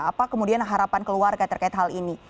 apa kemudian harapan keluarga terkait hal ini